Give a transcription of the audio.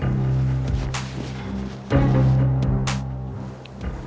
oke saya coba atur dulu yang lain